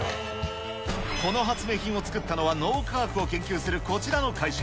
この発明品を作ったのは脳科学を研究するこちらの会社。